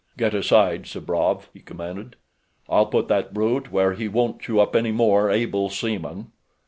"Get aside, Sabrov!" he commanded. "I'll put that brute where he won't chew up any more able seamen."